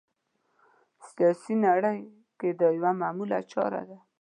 سیاسي نړۍ کې دا یوه معموله چاره ده